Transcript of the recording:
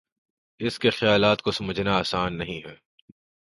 اس کے خیالات کو سمجھنا آسان نہیں ہے